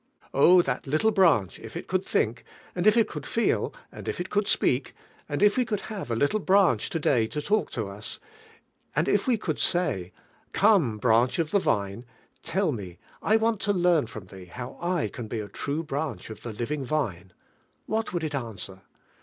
Oh, (hat little branch, if ii conld think, and if ii hi foil, and if it could speak — and if W e could have a little branch today la lalk to as, and if we conld say: "Come, branch Brums iivai.ing. 203 of the vine, tell me, I want to learn from Hi,.,, how I ran be a true branch of the living Vine," what would it answer?